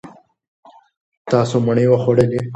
تاسو مڼې وخوړلې.